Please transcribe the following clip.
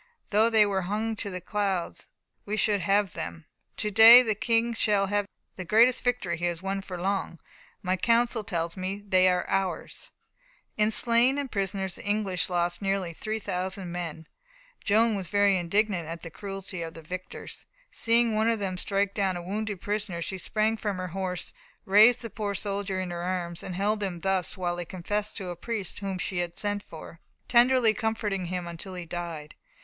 "Though they were hung to the clouds, we should have them. To day the King shall have the greatest victory he has won for long. My counsel tells me they are ours." In slain and prisoners the English lost nearly 3,000 men. Joan was very indignant at the cruelty of the victors. Seeing one of them strike down a wounded prisoner she sprang from her horse, raised the poor soldier in her arms, and held him thus while he confessed to a priest whom she had sent for, tenderly comforting him until he died.